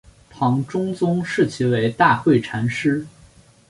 唐中宗谥其为大惠禅师。